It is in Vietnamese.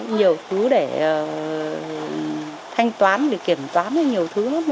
nhiều thứ để thanh toán kiểm toán nhiều thứ